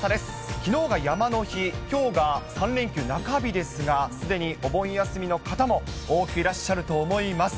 きのうが山の日、きょうが３連休中日ですが、すでにお盆休みの方も多くいらっしゃると思います。